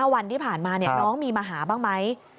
วันที่ผ่านมาน้องมีมาหาบ้างไหม